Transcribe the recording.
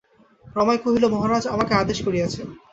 রমাই কহিল, মহারাজ আমাকে আদেশ করিয়াছেন।